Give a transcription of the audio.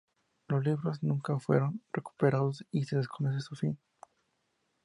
Los libros nunca fueron recuperados y se desconoce su fin.